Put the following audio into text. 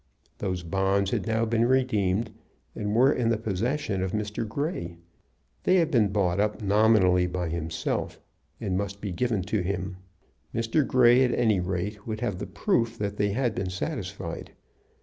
Those bonds had now been redeemed, and were in the possession of Mr. Grey. They had been bought up nominally by himself, and must be given to him. Mr. Grey, at any rate, would have the proof that they had been satisfied.